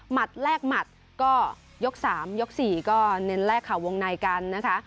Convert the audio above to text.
หมัดแรกหมัดก็ยก๓ยก๔ก็เน้นแรกค่ะวงในกันนะคะ